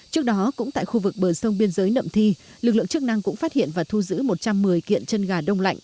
trước đó cũng tại khu vực bờ sông biên giới nậm thi lực lượng chức năng cũng phát hiện và thu giữ một trăm một mươi kiện chân gà đông lạnh